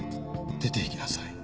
出ていきなさい。